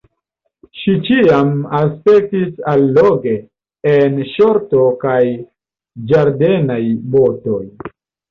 Ŝi ĉiam aspektis alloge en ŝorto kaj ĝardenaj botoj.